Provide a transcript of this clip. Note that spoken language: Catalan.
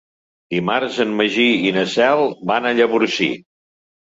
Dimarts en Magí i na Cel van a Llavorsí.